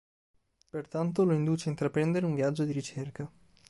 Pertanto, lo induce a intraprendere un viaggio di ricerca.